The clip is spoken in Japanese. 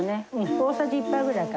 大さじ１杯ぐらいかな。